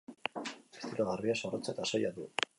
Estilo garbia, zorrotza eta soila du.